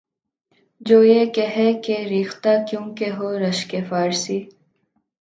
جو یہ کہے کہ ’’ ریختہ کیوں کہ ہو رشکِ فارسی؟‘‘